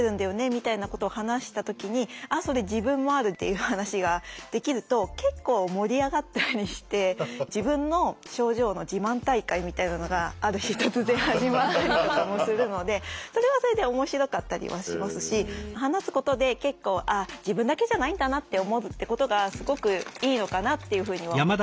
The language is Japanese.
みたいなことを話した時に「あっそれ自分もある」っていう話ができると結構盛り上がったりして自分の症状の自慢大会みたいなのがある日突然始まったりとかもするのでそれはそれで面白かったりはしますし話すことで結構「ああ自分だけじゃないんだな」って思うってことがすごくいいのかなっていうふうには思ったりします。